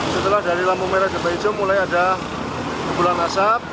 setelah dari lampu merah lemah ijo mulai ada kebulan hasap